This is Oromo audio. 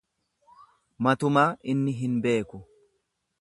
Matumaa inni hin beeku.